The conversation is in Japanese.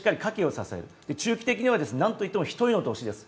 中期的には何といっても１人の投資です。